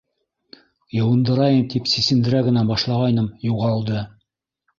Йыуындырайым тип, сисендерә генә башлағайным - юғалды!